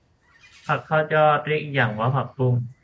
ผักทอดยอดเรียกอีกอย่างว่าผักบุ้ง